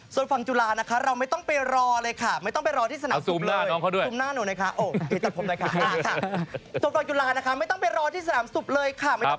ส่วนฝั่งจุฬานะคะเราไม่ต้องไปรอเลยค่ะไม่ต้องไปรอที่สนามสูบเลย